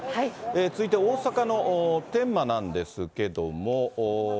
続いて大阪の天満なんですけども。